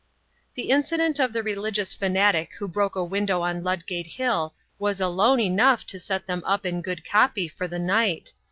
The incident of the religious fanatic who broke a window on Ludgate Hill was alone enough to set them up in good copy for the night.